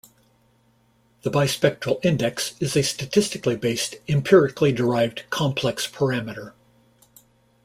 The bispectral index is a statistically based, empirically derived complex parameter.